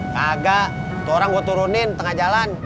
kagak orang gue turunin tengah jalan